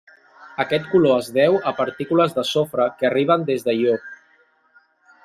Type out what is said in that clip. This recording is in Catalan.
Aquest color es deu a partícules de sofre que arriben des de Ió.